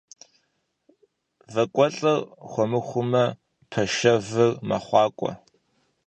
Вакӏуэлӏыр хуэмыхумэ, пашэвыр мэхъуакӏуэ.